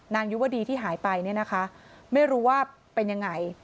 ยุวดีที่หายไปเนี่ยนะคะไม่รู้ว่าเป็นยังไง